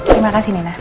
terima kasih nina